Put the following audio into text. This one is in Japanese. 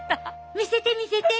見せて見せて！